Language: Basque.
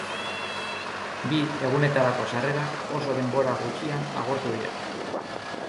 Bi egunetarako sarrerak oso denbora gutxian agortu dira.